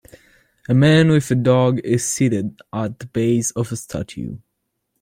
A man with a dog is seated at the base of a statue.